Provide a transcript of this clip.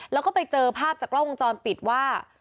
แล้วก็ไปเจอภาพจากกล้องวงจรปิดว่า